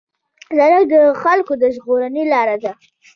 سړک د خلکو د ژغورنې لار ده.